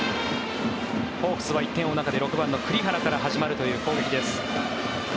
ホークスは１点を追う中で６番の栗原から始まるという攻撃です。